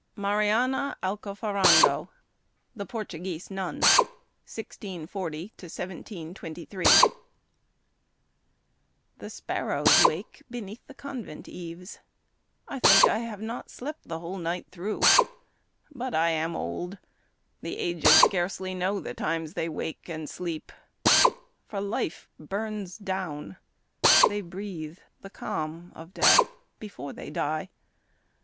Marianna Alcoforando (The Portuguese Nun 1640 1723) The sparrows wake beneath the convent eaves; I think I have not slept the whole night through. But I am old; the aged scarcely know The times they wake and sleep, for life burns down; They breathe the calm of death before they die.